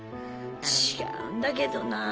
違うんだけどなあ。